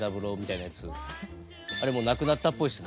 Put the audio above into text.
あれもうなくなったっぽいですね。